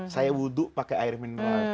saya wuduk pakai air mineral